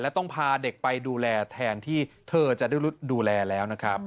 และต้องพาเด็กไปดูแลแทนที่เธอจะได้ดูแลแล้วนะครับ